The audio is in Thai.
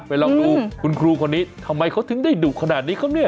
ลองดูคุณครูคนนี้ทำไมเขาถึงได้ดุขนาดนี้ครับเนี่ย